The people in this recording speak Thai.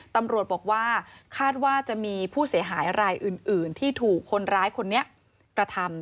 ตำรวจบอกว่าคาดว่าจะมีผู้เสียหายรายอื่นที่ถูกคนร้ายคนนี้กระทำ